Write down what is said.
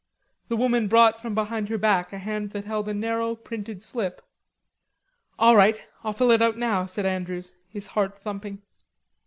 The woman brought from behind her back a hand that held a narrow printed slip. "All right. I'll fill it out now," said Andrews, his heart thumping.